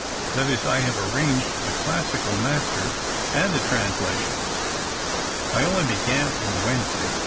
That is, I have arranged for the classical master and the trans lations. I only began on Wednesday.